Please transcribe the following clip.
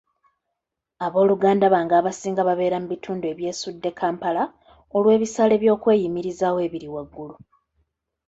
Abooluganda bange abasinga babeera mu bitundu ebyesudde Kampala olw'ebisale by'okweyimirizaawo ebiri waggulu.